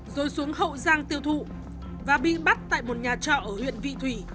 rồi xuống hậu giang tiêu thụ và bị bắt tại một nhà trọ ở huyện vị thủy